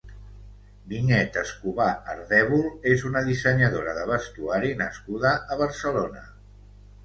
Vinyet Escobar Ardèvol és una dissenyadora de vestuari nascuda a Barcelona.